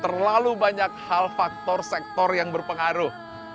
terlalu banyak hal faktor sektor yang berpengaruh